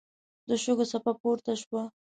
د شګو څپه پورته شوه.